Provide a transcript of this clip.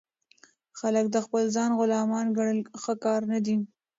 خلک د خپل ځان غلامان ګڼل ښه کار نه دئ.